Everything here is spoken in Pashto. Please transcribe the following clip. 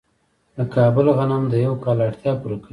د کابل غنم د یو کال اړتیا پوره کوي.